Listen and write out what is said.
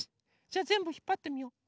じゃあぜんぶひっぱってみよう。